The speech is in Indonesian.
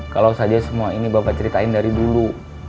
kalau saja semua ini bapak ceritain dari dulu